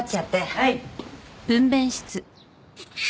はい。